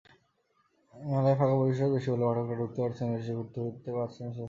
মেলায় ফাঁকা পরিসর বেশি বলে পাঠকেরা ঢুকতে পারছেন বেশি, ঘুরতে-ফিরতে পারছেন স্বস্তিতে।